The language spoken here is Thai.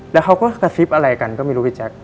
แล้วเขาก็กระซิบอะไรกันก็ไม่รู้พี่แจ๊ค